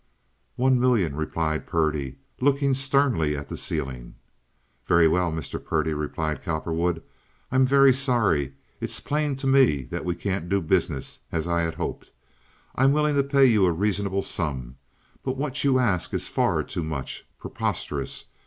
"One million," replied Purdy, looking sternly at the ceiling. "Very well, Mr. Purdy," replied Cowperwood. "I'm very sorry. It's plain to me that we can't do business as I had hoped. I'm willing to pay you a reasonable sum; but what you ask is far too much—preposterous!